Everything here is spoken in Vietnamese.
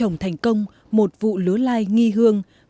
trồng thành công một vụ lứa lai nghi hương